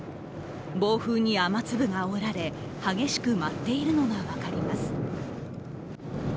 暴風に雨粒があおられ、激しく舞っているのが分かります。